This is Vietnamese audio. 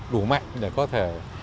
đủ mạnh để có thể